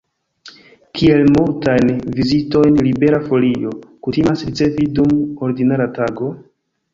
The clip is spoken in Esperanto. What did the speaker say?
Kiel multajn vizitojn Libera Folio kutimas ricevi dum ordinara tago?